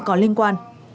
có liên quan